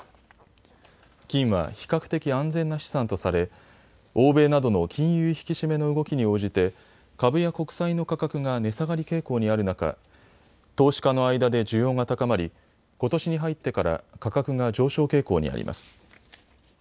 金は比較的安全な資産とされ欧米などの金融引き締めの動きに応じて株や国債の価格が値下がり傾向にある中、投資家の間で需要が高まりことしに入ってから価格が上昇傾向にあります。